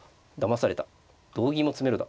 同銀も詰めろだ。